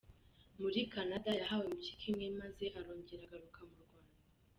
Muri Canada yahawe impyiko imwe maze arongera agaruka mu Rwanda.